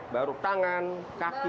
baru tangan kaki